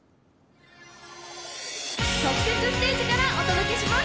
特設ステージからお届けします。